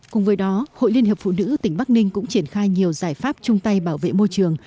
cùng với đó hội liên hiệp phụ nữ tỉnh bắc ninh cũng triển khai nhiều giải pháp chung tay bảo vệ môi trường